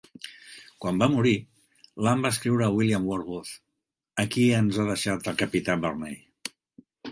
Quan va morir, Lamb va escriure a William Wordsworth: Aquí ens ha deixat el capità Burney!